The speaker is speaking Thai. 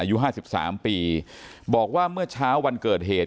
อายุห้าสิบสามปีบอกว่าเมื่อเช้าวันเกิดเหตุ